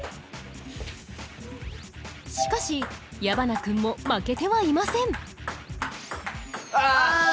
しかし矢花君も負けてはいませんああ！